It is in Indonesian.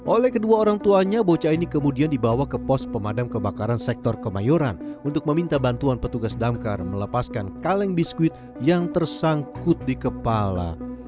oleh kedua orang tuanya bocah ini kemudian dibawa ke pos pemadam kebakaran sektor kemayoran untuk meminta bantuan petugas damkar melepaskan kaleng biskuit yang tersangkut di kepala